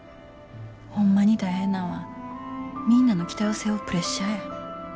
ホンマに大変なんはみんなの期待を背負うプレッシャーや。